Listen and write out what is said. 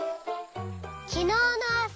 「きのうのあさ」